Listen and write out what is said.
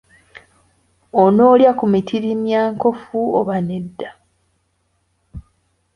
Onoolya ku mitirimyankofu oba nedda?